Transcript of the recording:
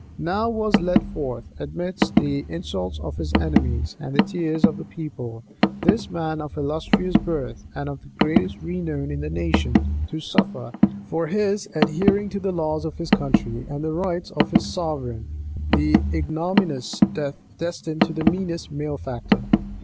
Now was led forth, amidst the insults of his enemies, and the tears of the people, this man of illustrious birth, and of the greatest renown in the nation, to suffer, for his adhering to the laws of his country, and the rights of his sovereign, the ignominious death destined to the meanest malefactor.